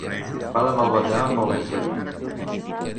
Fa de mal ballar amb el ventre buit.